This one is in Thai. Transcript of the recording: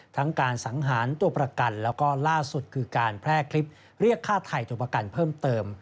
ทั้งการสังหารตัวประกันแล้วก็ล่าสุดคือการแพร่คลิปเรียกค่าไทยตัวประกันเพิ่มเติม